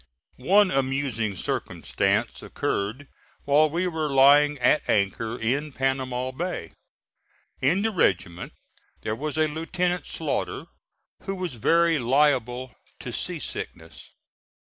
One amusing circumstance occurred while we were lying at anchor in Panama Bay. In the regiment there was a Lieutenant Slaughter who was very liable to sea sickness.